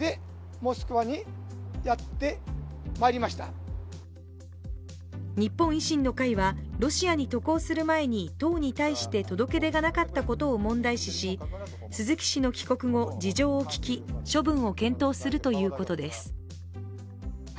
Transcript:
日本政府はロシアに、渡航中止勧告以上の日本維新の会は、ロシアに渡航する前に党に対して届け出がなかったことを問題視し、鈴木氏の帰国後、事情を聴き処分を検討するということです。